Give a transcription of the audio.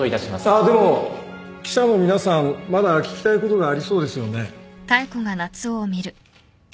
あっでも記者の皆さんまだ聞きたいことがありそうですよね。